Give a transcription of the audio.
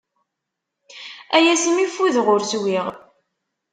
Ay asmi ffudeɣ ur swiɣ.